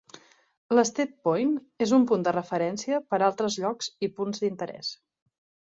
L'Steep Point és un punt de referència per a altres llocs i punts d'interès.